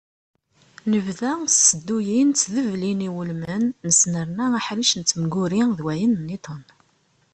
Nebda s tisedduyin d tdeblin iwulmen, nesnerna aḥric n temguri d wayen-nniḍen.